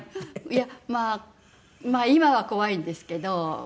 いやまあ今は怖いんですけど。